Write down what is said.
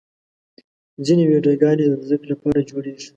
ځینې ویډیوګانې د زدهکړې لپاره جوړېږي.